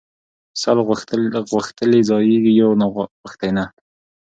ـ سل غوښتلي ځايږي يو ناغښتى نه.